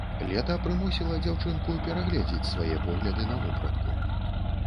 Лета прымусіла дзяўчынку перагледзець свае погляды на вопратку.